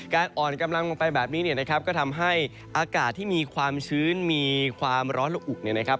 อ่อนกำลังลงไปแบบนี้เนี่ยนะครับก็ทำให้อากาศที่มีความชื้นมีความร้อนและอุเนี่ยนะครับ